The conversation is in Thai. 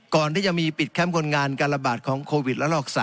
ก่อนที่จะมีปิดแคมป์คนงานการระบาดของโควิดละลอก๓